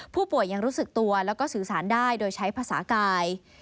ผู้ป่วยยังรู้สึกตัวแล้วก็สื่อสารได้โดยใช้ภาษากาย